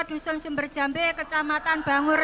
dusun sumberjambe kecamatan bangur